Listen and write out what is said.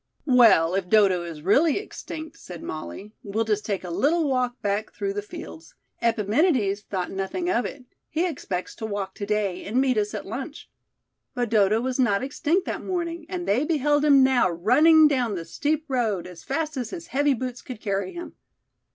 "Well, if Dodo is really extinct," said Molly, "we'll just take a little walk back through the fields. Epiménides thought nothing of it. He expects to walk to day and meet us at lunch." But Dodo was not extinct that morning, and they beheld him now running down the steep road as fast as his heavy boots could carry him.